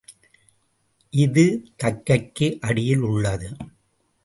இது தக்கைக்கு அடியில் உள்ளது.